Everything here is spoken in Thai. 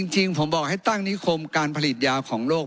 จริงผมบอกให้ตั้งนิคมการผลิตยาของโลก